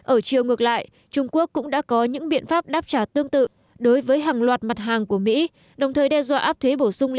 ở chiều ngược lại trung quốc cũng đã có những biện pháp đáp trả tương tự đối với hàng loạt mặt hàng của mỹ